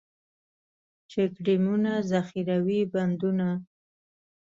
چک ډیمونه، ذخیروي بندونه.